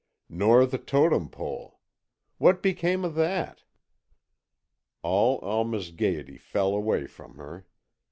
"Nor the Totem Pole. What became of that?" All Alma's gayety fell away from her.